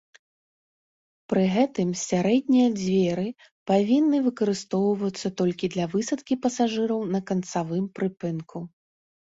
Пры гэтым сярэдняя дзверы павінны выкарыстоўвацца толькі для высадкі пасажыраў на канцавым прыпынку.